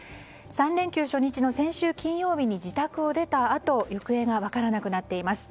３連休初日の先週金曜日に自宅を出たあと行方が分からなくなっています。